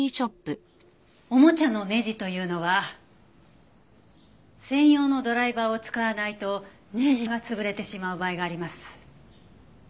おもちゃのネジというのは専用のドライバーを使わないとネジが潰れてしまう場合があります。